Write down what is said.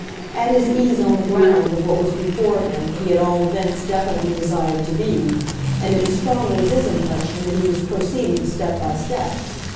At his ease on the ground of what was before him he at all events definitely desired to be, and it was strongly his impression that he was proceeding step by step.